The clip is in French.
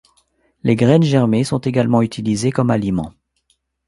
Les graines germées sont également utilisées comme aliment.